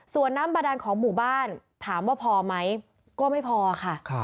ส่วนน้ำบาดานของหมู่บ้านถามว่าพอไหมก็ไม่พอค่ะ